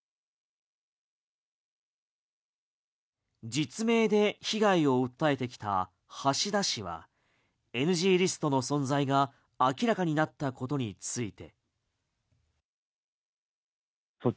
実名で被害を訴えてきた橋田氏はＮＧリストの存在が明らかになったことについて。